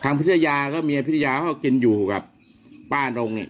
พิทยาก็เมียพิทยาเขากินอยู่กับป้านงนี่